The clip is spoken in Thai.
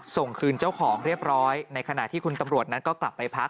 ส่งคืนเจ้าของเรียบร้อยในขณะที่คุณตำรวจนั้นก็กลับไปพัก